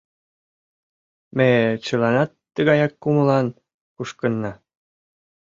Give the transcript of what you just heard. Ме чыланат тыгаяк кумылан кушкынна.